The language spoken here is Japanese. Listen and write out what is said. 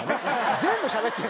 全部しゃべってる。